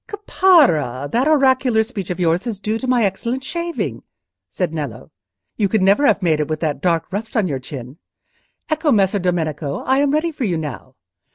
"Caparra, that oracular speech of yours is due to my excellent shaving," said Nello. "You could never have made it with that dark rust on your chin. Ecco, Messer Domenico, I am ready for you now.